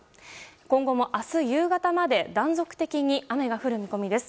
今後も明日夕方まで断続的に雨が降る見込みです。